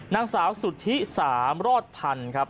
นางสาวสุธิสามรอดพันธุ์ครับ